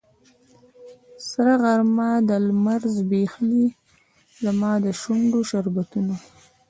سره غرمه ده لمر ځبیښلې زما د شونډو شربتونه